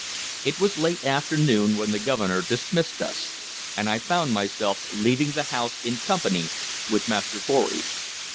It was late afternoon when the Governor dismissed us, and I found myself leaving the house in company with Master Pory.